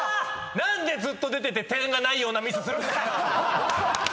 何でずっと出てて点がないようなミスするんだよ！